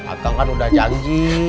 akang kan udah janji